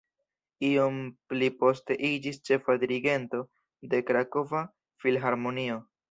Iom pli poste iĝis ĉefa dirigento de Krakova Filharmonio.